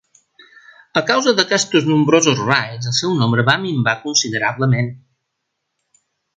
A causa d'aquests nombrosos raids el seu nombre va minvar considerablement.